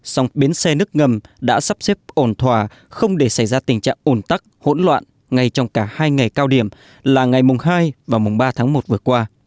sau đó bến xe nước ngầm đã sắp xếp ổn thỏa không để xảy ra tình trạng ổn tắc hỗn loạn ngay trong cả hai ngày cao điểm là ngày hai và ba tháng một vừa qua